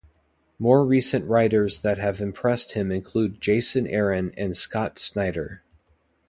More recent writers that have impressed him include Jason Aaron and Scott Snyder.